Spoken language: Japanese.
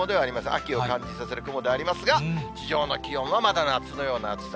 秋を感じさせる雲ではありますが、地上の気温はまだ夏のような暑さ。